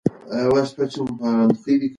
په کوټه کې د مسکوت پاتې کېدو ویره وه.